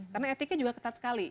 karena etiknya juga ketat sekali